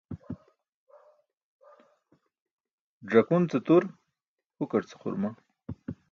Ẓakun ce tur, hukar ce xurma.